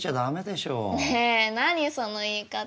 ねえ何その言い方。